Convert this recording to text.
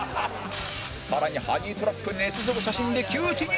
更にハニートラップねつ造写真で窮地に！